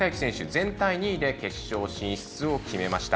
全体２位で決勝進出を決めました。